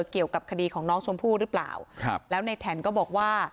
เกี่ยวกับคดีของน้องชมพู่หรือเปล่าครับแล้วในแถนก็บอกว่า